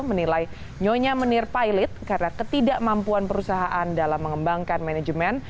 menilai nyonya menir pilot karena ketidakmampuan perusahaan dalam mengembangkan manajemen